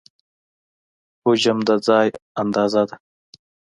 حجم د ځای اندازه ده.